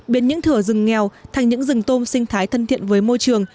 biến những thửa rừng nghèo thành những rừng tôm sinh thái thân thiện với môi trường